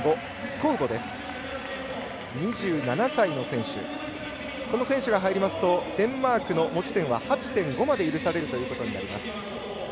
この選手が入りますとデンマークの持ち点は８．５まで許されるということになります。